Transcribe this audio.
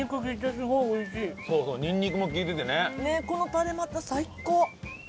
このタレまた最高！